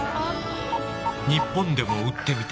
日本でも売ってみた。